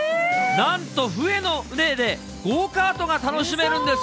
なんと船の上で、ゴーカートが楽しめるんです。